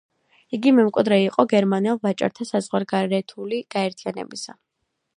იგი მემკვიდრე იყო გერმანელ ვაჭართა საზღვარგარეთული გაერთიანებისა.